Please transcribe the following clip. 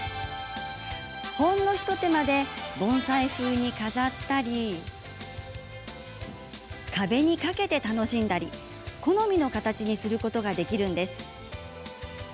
ほんの一手間で盆栽風に飾ったり壁に掛けて楽しんだり好みの形にすることができるんです。